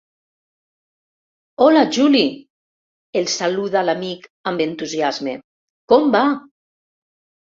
Hola Juli! —el saluda l'amic amb entusiasme— Com va?